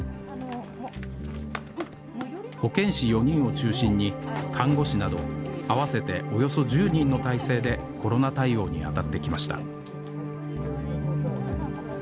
保健師４人を中心に看護師など合わせておよそ１０人の体制でコロナ対応に当たってきました